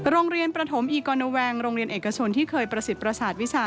โรงเรียนประถมอีกรณแวงโรงเรียนเอกชนที่เคยประสิทธิประสาทวิชา